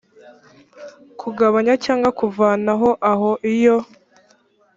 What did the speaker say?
kugabanya cyangwa kuvanaho aho iyo